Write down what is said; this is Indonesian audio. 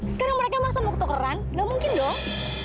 sekarang mereka masih mau ketukeran nggak mungkin dok